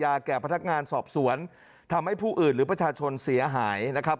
แก่พนักงานสอบสวนทำให้ผู้อื่นหรือประชาชนเสียหายนะครับ